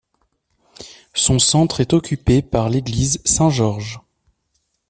Son centre est occupé par l’église Saint-Georges.